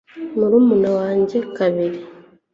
murumuna wajye kabibi